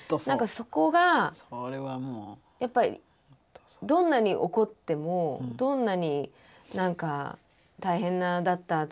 何かそこがやっぱりどんなに怒ってもどんなに大変だった